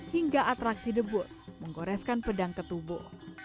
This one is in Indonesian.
hingga atraksi debus menggoreskan pedang ketubuh